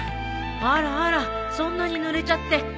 あらあらそんなにぬれちゃって。